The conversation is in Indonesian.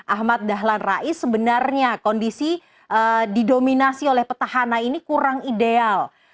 ahmad dahlan rais sebenarnya kondisi didominasi oleh petahana ini kurang ideal